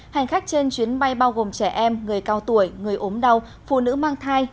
hành khách trên chuyến bay bao gồm trẻ em người cao tuổi người ốm đau phụ nữ mang thai